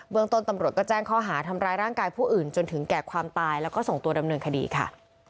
เมืองต้นตำรวจก็แจ้งข้อหาทำร้ายร่างกายผู้อื่นจนถึงแก่ความตายแล้วก็ส่งตัวดำเนินคดีค่ะ